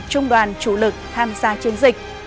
trung đoàn chủ lực tham gia chiến dịch